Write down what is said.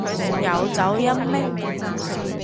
有走音咩？